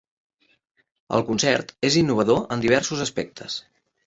El concert és innovador en diversos aspectes.